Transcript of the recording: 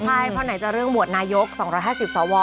พอไหนจะเรื่องบทนายก๒๕๐สว